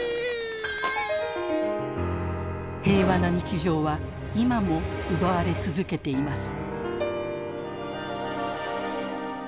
平和な日常は今も奪われ続けています。